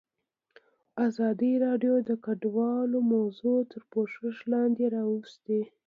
ازادي راډیو د کډوال موضوع تر پوښښ لاندې راوستې.